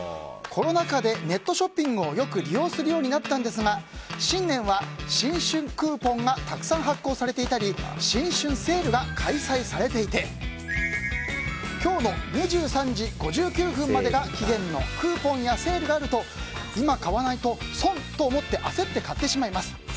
コロナ禍でネットショッピングをよく利用するようになったんですが新年は新春クーポンがたくさん発行されていたり新春セールが開催されていて今日の２３時５９分までが期限のクーポンやセールがあると今買わないと損と思って焦って買ってしまいます。